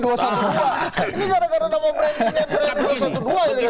ini gara gara nama brandingnya